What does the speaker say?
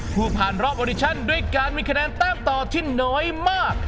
ผู้ผ่านรอบออดิชั่นด้วยการมีคะแนนแต้มต่อที่น้อยมาก